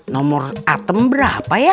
nomor atm berapa ya